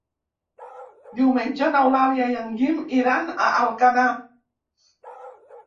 Diumenge n'Eulàlia i en Guim iran a Alcanar.